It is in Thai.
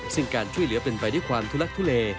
ซึ่งการช่วยเหลือเป็นไปด้วยความทุลักทุเล